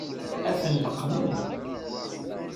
Ad ten-leqqmen?